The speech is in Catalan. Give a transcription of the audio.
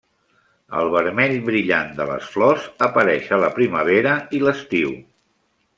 El vermell brillant de les flors apareix a la primavera i l'estiu.